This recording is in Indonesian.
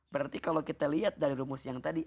berarti kalau kita lihat dari rumus yang tadi